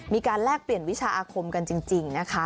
แลกเปลี่ยนวิชาอาคมกันจริงนะคะ